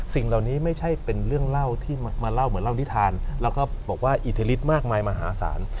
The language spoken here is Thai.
สิ่งเหล่านี้ไม่ใช่เป็นเรื่องเล่าที่มาเล่าเหมือนเล่านิทานแล้วก็บอกว่าอิทธิฤทธิมากมายมหาศาล